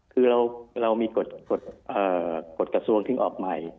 คือเรามีกฎกระทรวงที่ออกใหม่